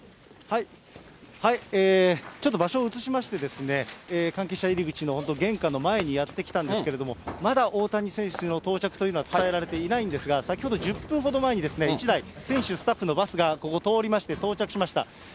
ちょっと場所を移しまして、関係者入り口の本当、玄関の前にやって来たんですけれども、まだ大谷選手の到着というのは伝えられていないんですが、先ほど１０分ほど前にですね、１台、選手、スタッフのバスがここを通りまして、到着しました。